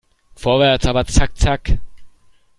Vorwärts, aber zack zack!